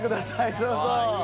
どうぞ。